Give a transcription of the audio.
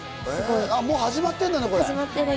もう始まっているんだね。